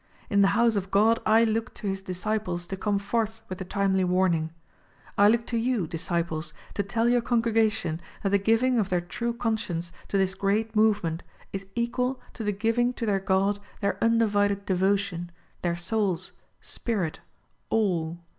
In the house of God I look to his disciples to come forth with the timely warning. I look to you, disciples, 'to tell your congregation that the giving of their true conscience to this great niovement is equal to the giving to their God their undivided devotion, their souls, spirit, all